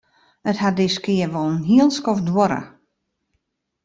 It hat diskear wol in hiel skoft duorre.